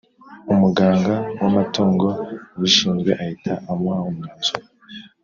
Umuganga w’amatungo ubishinzwe ahita amuha umwanzuro